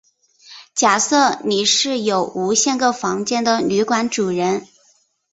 假设你是有无限个房间的旅馆主人。